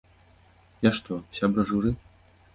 Я што, сябра журы?